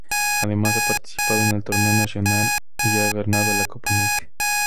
Además, ha participado en el Torneo Nacional y ha ganado la Copa Nike.